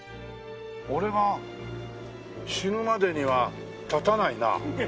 俺が死ぬまでには建たないなあ。